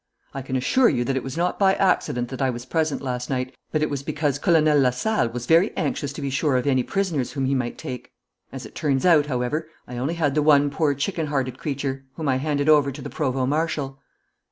I can assure you that it was not by accident that I was present last night, but it was because Colonel Lasalle was very anxious to be sure of any prisoners whom he might make. As it turned out, however, I only had the one poor chicken hearted creature, whom I handed over to the provost marshal.'